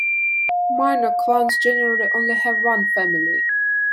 Minor clans generally only have one family.